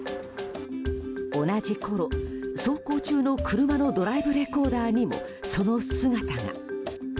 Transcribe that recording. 同じころ、走行中の車のドライブレコーダーにもその姿が。